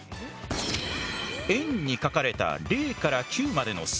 円に書かれた０９までの数字。